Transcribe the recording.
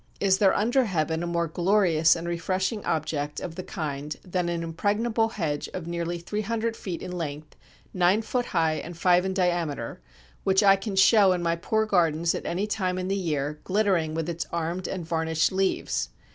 Is there under Heaven a more glorious and refreshing object of the kind than an impregnable hedge of near three hundred feet in length, nine foot high and five in diameter: which I can show in my poor Gardens at any time in the year, glittering with its arm'd and vernished leaves?